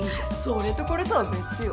それとこれとは別よ。